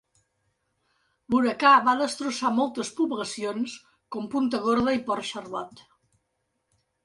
L'huracà va destrossar moltes poblacions com Punta Gorda i Port Charlotte.